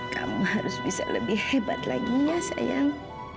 kamu harus bisa lebih hebat lagi ya sayang